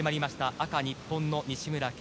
赤、日本の西村拳